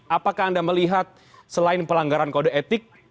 apakah anda melihat selain pelanggaran kode etik